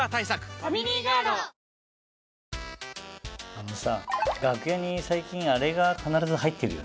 あのさ楽屋に最近あれが必ず入ってるよね。